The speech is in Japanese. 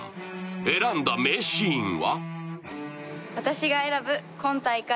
選んだ名シーンは？